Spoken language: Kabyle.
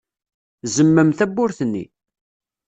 Zemmem tawwurt-nni.